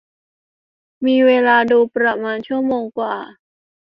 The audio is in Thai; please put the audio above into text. มีเวลาดูประมาณชั่วโมงกว่า